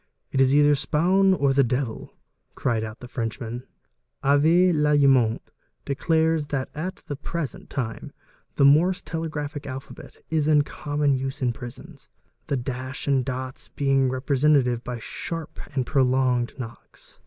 "It is either Spaun 'or the Devil,' cried out the Frenchman. <Avé Lallemant declares that t the present time the Morse telegraphic alphabet 1s in common use in risons, the dash and dots being represented by sharp and prolonged mocks.